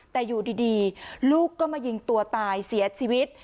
แต่อยู่ดีลูกก็มายิงตัวตายเสียชีวิต